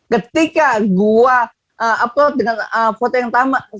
ketika gua upload dengan foto yang pertama